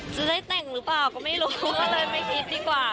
จะได้แต่งหรือเปล่าก็ไม่รู้ก็เลยไม่คิดดีกว่า